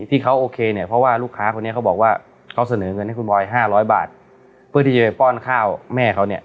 ที่เขาโอเคเนี่ยเพราะว่าลูกค้าคนนี้เขาบอกว่าเขาเสนอเงินให้คุณบอย๕๐๐บาทเพื่อที่จะไปป้อนข้าวแม่เขาเนี่ย